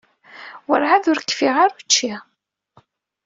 Werɛad ur kfiɣ ara učči.